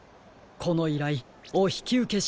このいらいおひきうけしましょう。